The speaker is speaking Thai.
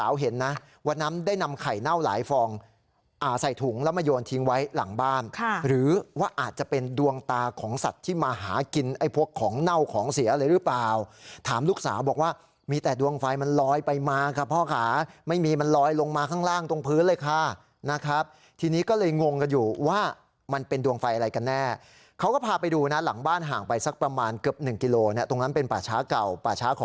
วันนั้นได้นำไข่เน่าหลายฟองอ่าใส่ถุงแล้วมาโยนทิ้งไว้หลังบ้านค่ะหรือว่าอาจจะเป็นดวงตาของสัตว์ที่มาหากินไอ้พวกของเน่าของเสียอะไรหรือเปล่าถามลูกสาวบอกว่ามีแต่ดวงไฟมันลอยไปมาค่ะพ่อค่ะไม่มีมันลอยลงมาข้างล่างตรงพื้นเลยค่ะนะครับทีนี้ก็เลยงงกันอยู่ว่ามันเป็นดวงไฟอะไรกันแน่เขาก